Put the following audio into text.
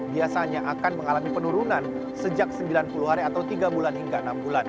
biasanya akan mengalami penurunan sejak sembilan puluh hari atau tiga bulan hingga enam bulan